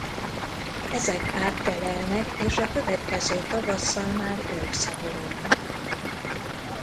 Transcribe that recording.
Ezek áttelelnek és a következő tavasszal már ők szaporodnak.